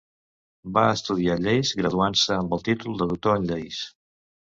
Va estudiar lleis, graduant-se amb el títol de Doctor en Lleis.